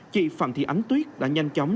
chị phạm thị ánh tuyết đã nhanh chóng